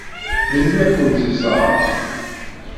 Melmi ad kent-iẓeṛ?